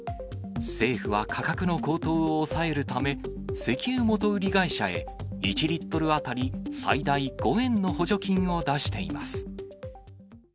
政府は価格の高騰を抑えるため、石油元売り会社へ１リットル当たり最大５円の補助金を出しています。